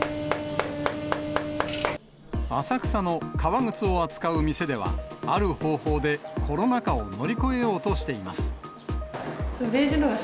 浅草の革靴を扱う店では、ある方法でコロナ禍を乗り越えようとしています。